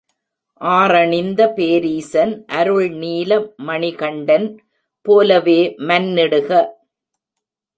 ஆறணிந்த பேரீசன் அருள்நீல மணிகண்டன் போலவே மன்னிடுக!